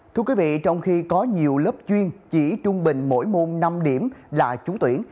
thưa quý vị trong khi có nhiều lớp chuyên chỉ trung bình mỗi môn năm điểm là trúng tuyển